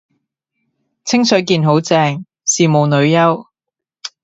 清水健好正，羨慕女優